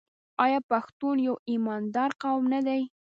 آیا پښتون یو ایماندار قوم نه دی؟